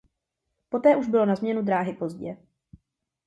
Poté už bylo na změnu dráhy pozdě.